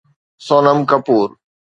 Sonam Kapoor